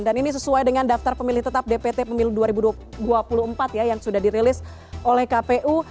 dan ini sesuai dengan daftar pemilih tetap dpt pemilu dua ribu dua puluh empat ya yang sudah dirilis oleh kpu